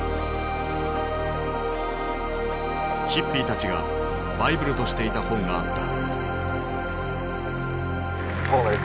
ヒッピーたちがバイブルとしていた本があった。